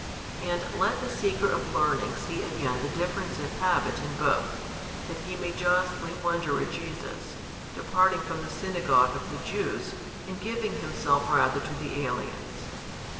And let the seeker of learning see again the difference of habit in both, that he may justly wonder at Jesus, departing from the Synagogue of the Jews, and giving Himself rather to the aliens.